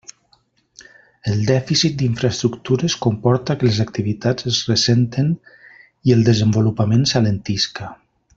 El dèficit d'infraestructures comporta que les activitats es ressenten i el desenvolupament s'alentisca.